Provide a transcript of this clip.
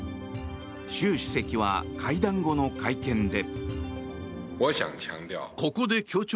習主席は会談後の会見で。